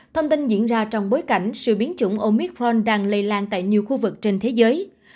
thông tin diễn ra trong bối cảnh sự biến chủng omicron đang lây lan tại nhiều khu vực trên thế giới